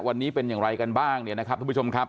วันนี้เป็นอย่างไรกันบ้างเนี่ยนะครับทุกผู้ชมครับ